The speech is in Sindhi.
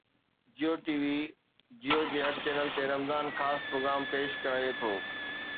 جيو ٽي وي جيو جي هر چينل تي رمضان خاص پروگرام پيش ڪري ٿو